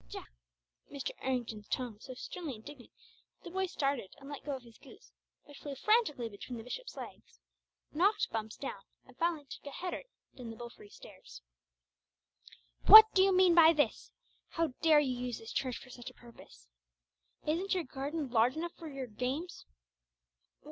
"Jack!" Mr. Errington's tone was so sternly indignant that the boy started and let go of his goose, which flew frantically between the bishop's legs, knocked Bumps down, and finally took a header down the the belfry stairs. "What do you mean by this? How dare you use this church for such a purpose? Isn't your garden large enough for your games?"